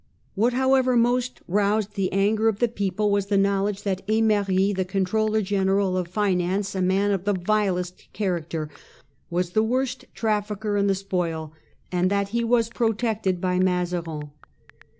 What however most roused the anger of the people was the knowledge that itmery, the controller general of finance, a man of the vilest character, was the worst trafficker in the spoil, and that he was protected by Mazarin.